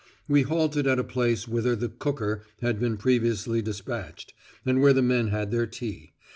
We halted at a place whither the "cooker" had been previously despatched, and where the men had their tea.